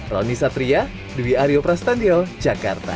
roni satria dewi ario prastanjo jakarta